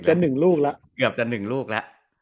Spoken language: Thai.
เกือบจะ๑ลูกละ